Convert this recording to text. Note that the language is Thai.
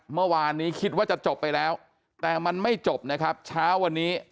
เมื่อวานนี้คิดว่าจะจบไปแล้วแต่มันไม่จบนะครับเช้าวันนี้